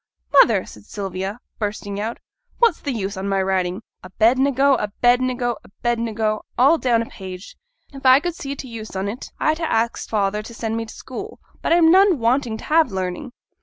'Mother!' said Sylvia, bursting out, 'what's the use on my writing "Abednego," "Abednego," "Abednego," all down a page? If I could see t' use on 't, I'd ha' axed father to send me t' school; but I'm none wanting to have learning.'